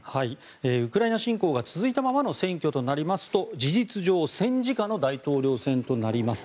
ウクライナ侵攻が続いたままの選挙となりますと事実上戦時下の大統領選となります。